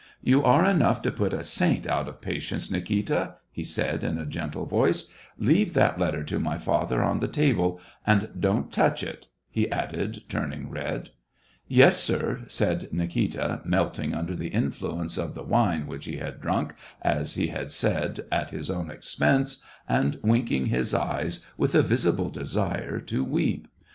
" You are enough to put a saint out of patience, Nikita," he said, in a gentle voice. " Leave that letter to my father on the table, and don't touch it," he added, turning red. " Yes, sir," said Nikita, melting under the influence of the wine which he had drunk, as he ha(] said, " at his own expense," and winking his eyes with a visible desire to weep.